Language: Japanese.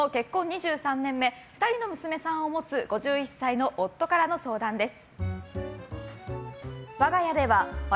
２３年目２人の娘を持つ５１歳の夫からの相談です。